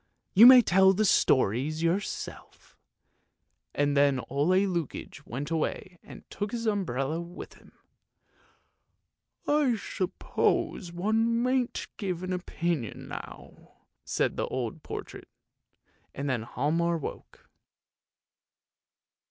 You may tell the stories yourself! " And then Ole Lukoie went away and took his umbrella with him. " I suppose one mayn't give an opinion now! " said the old portrait. And then Hialmar woke.